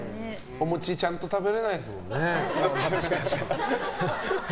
お餅、ちゃんと食べられないですもんね。